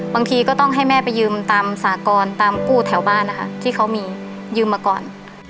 บางทีก็ต้องให้แม่ไปยืมตามสากรตามกู้แถวบ้านนะคะที่เขามียืมมาก่อน